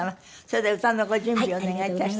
それでは歌のご準備をお願いいたします。